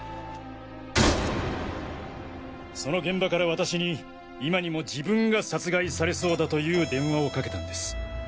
その現場から私に今にも自分が殺害されそうだという電話をかけたんです。